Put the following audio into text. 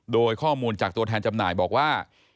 โดยข้อมูลจากตัวแทนจำหน่ายบอกว่า